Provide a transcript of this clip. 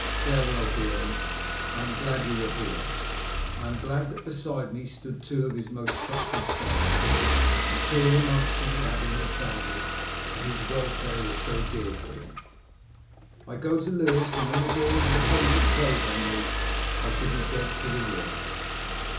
farewell, Beorn! I am glad you were here. I am glad that beside me stood two of his most trusted thanes, and two of the monks from the abbey he founded, and whose welfare was so dear to him. I go to Lewes, and when the doors of the convent close on me I shall be dead to the world.